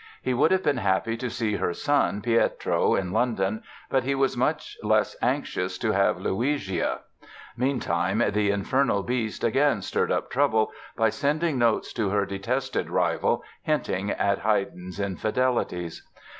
He would have been happy to see her son, Pietro, in London but he was much less anxious to have Luigia. Meantime, the "Infernal Beast" again stirred up trouble by sending notes to her detested rival hinting at Haydn's infidelities!